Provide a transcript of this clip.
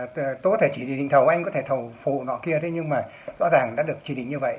tôi có thể chỉ định hình thầu anh có thể thầu phụ nọ kia thế nhưng mà rõ ràng đã được chỉ định như vậy